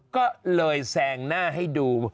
ก็เลยแซงหน้าให้ดู